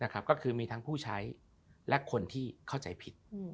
ก็คือมีทั้งผู้ใช้และคนที่เข้าใจผิด